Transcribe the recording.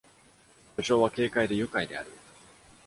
序章は軽快で愉快である。